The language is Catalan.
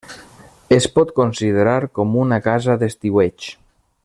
Es pot considerar com una casa d'estiueig.